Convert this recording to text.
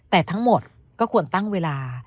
แต่ทั้งหมดก็ควรตั้งเวลา